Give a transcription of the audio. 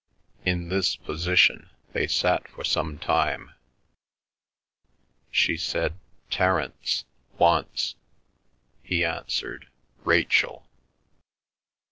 In this position they sat for some time. She said "Terence" once; he answered "Rachel."